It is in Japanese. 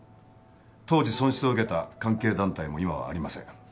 当時損失を受けた関係団体も今はありません。